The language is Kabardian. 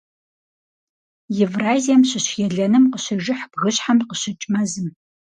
Евразием щыщ елэным къыщежыхь бгыщхьэм къыщыкӀ мэзым.